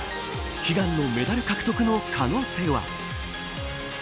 悲願のメダル獲得の可能性は。